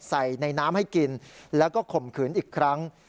ใส่ในน้ำให้กินแล้วก็ข่มขืนอีกครั้ง